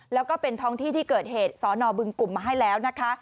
แล้วก็เป็นท้องที่ที่เกิดเหตุสอนอบึงกลุ่มมาให้แล้วนะคะ